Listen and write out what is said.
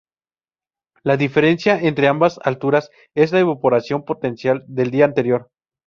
La diferencia entre ambas alturas es la evaporación potencial del día anterior.